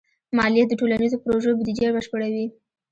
مالیه د ټولنیزو پروژو بودیجه بشپړوي.